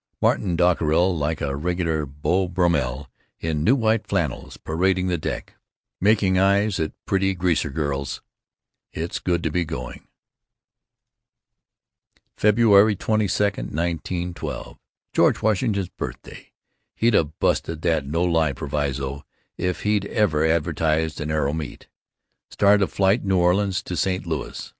Martin Dockerill like a regular Beau Brummel in new white flannels, parading the deck, making eyes at pretty Greaser girls. It's good to be going. Feb. 22, 1912: Geo. W's birthday. He'd have busted that no lie proviso if he'd ever advertised an aero meet. Start of flight New Orleans to St. Louis.